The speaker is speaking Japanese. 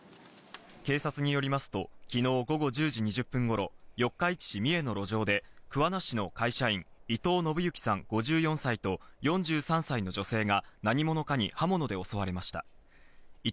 警察によりますと昨日午後１０時２０分頃、四日市市三重の路上で桑名市の会社員・伊藤信幸さん５４歳と４３歳の女性が何者かに刃物で襲われました。